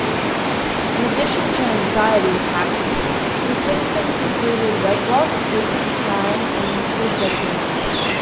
In addition to anxiety attacks, his symptoms included weight loss, frequent crying, and sleeplessness.